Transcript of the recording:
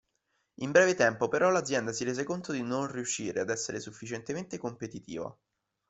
In breve tempo però l'azienda si rese conto di non riuscire ad essere sufficientemente competitiva.